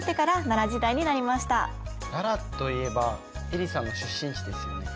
奈良といえばえりさんの出身地ですよね。